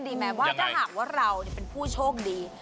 แต่มาคิดแล้วเล่นกันดีแม่ว่า